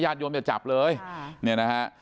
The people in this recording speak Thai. ญาติโยมจะจับเลยเนี่ยนะฮะ